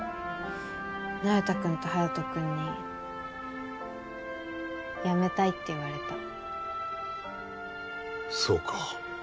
那由他君と隼人君に辞めたいって言われたそうか